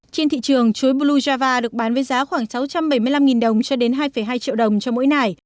trên thị trường chuối blue java được bán với giá khoảng sáu trăm bảy mươi năm đồng cho đến hai hai triệu đồng cho mỗi nải